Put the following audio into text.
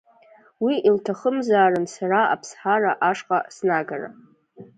Уи илҭахымзаарын сара Аԥсҳара ашҟа снагара.